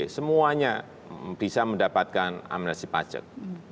semuanya bisa mendapatkan amnesti pajak